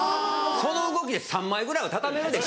その動きで３枚ぐらいは畳めるでＴシャツ。